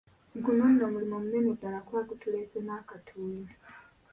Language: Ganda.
Guno nno mulimu munene ddala kuba gutuleese n'akatuuyo.